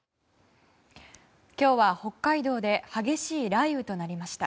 今日は北海道で激しい雷雨となりました。